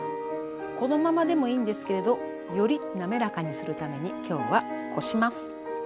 このままでもいいんですけれどよりなめらかにするために今日はこします。